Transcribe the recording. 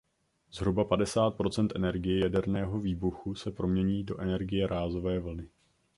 Zhruba padesát procent energie jaderného výbuchu se promění do energie rázové vlny.